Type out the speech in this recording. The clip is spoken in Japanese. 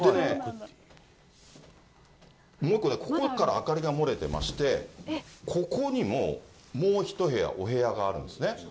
もう１個、ここから明かりが漏れてまして、ここにももう１部屋お部屋があるんですね。